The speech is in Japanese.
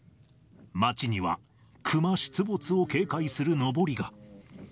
町には、クマ出没を警戒するのぼりが。